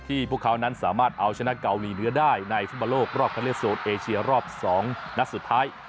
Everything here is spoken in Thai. พวกเขานั้นสามารถเอาชนะเกาหลีเหนือได้ในฟุตบอลโลกรอบคันเลือกโซนเอเชียรอบ๒นัดสุดท้าย